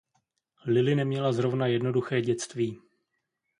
Lily neměla zrovna jednoduché dětství.